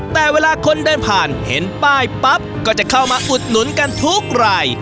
แต่เวลาคนเดินผ่านเห็นป้ายปั๊บก็จะเข้ามาอุดหนุนกันทุกราย